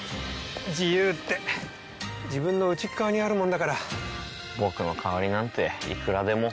自由って自分の内側にあるものだから僕の代わりなんていくらでもいないよ